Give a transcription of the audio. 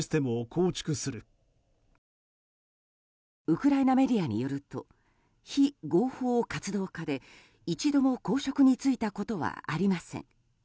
ウクライナメディアによると非合法活動家で一度も公職に就いたことはありません。